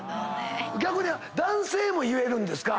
逆に男性も言えるんですか？